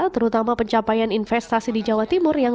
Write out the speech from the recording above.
terutama pencapaian investasi di jawa timur yang